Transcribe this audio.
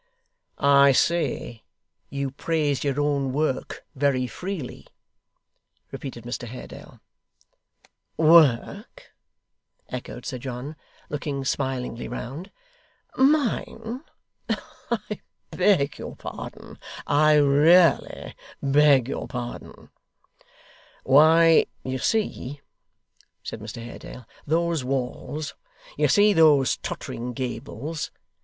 'I say you praise your own work very freely,' repeated Mr Haredale. 'Work!' echoed Sir John, looking smilingly round. 'Mine! I beg your pardon, I really beg your pardon ' 'Why, you see,' said Mr Haredale, 'those walls. You see those tottering gables.